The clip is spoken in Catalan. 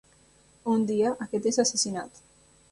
Un dia, aquest és assassinat.